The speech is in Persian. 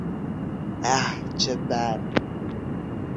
اه چه بد!